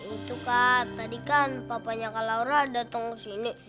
itu kak tadi kan papanya kak laura datang kesini